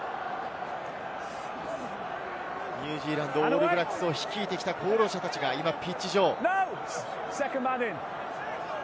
ニュージーランド、オールブラックスを率いてきた功労者たちが今ピッチ上です。